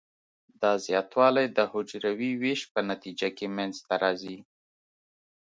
دا زیاتوالی د حجروي ویش په نتیجه کې منځ ته راځي.